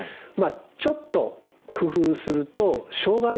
ちょっと工夫するとしょうがありますよね。